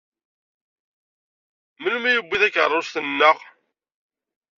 Melmi i yewwi takeṛṛust-nneɣ?